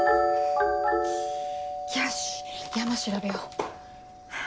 よし山調べようはぁ。